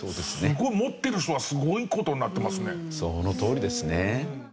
持ってる人はすごい事になってますね。そのとおりですね。